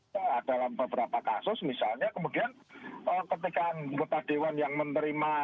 dalam beberapa kasus misalnya kemudian ketika anggaran bupa dewan yang menerima